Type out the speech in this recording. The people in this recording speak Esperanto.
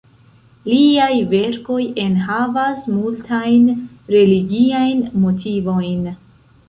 Liaj verkoj enhavas multajn religiajn motivojn.